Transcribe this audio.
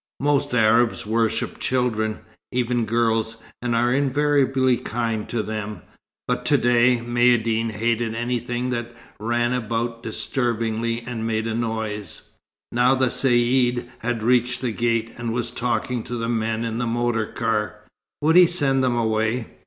Most Arabs worship children, even girls, and are invariably kind to them, but to day Maïeddine hated anything that ran about disturbingly and made a noise. Now the Caïd had reached the gate, and was talking to the men in the motor car. Would he send them away?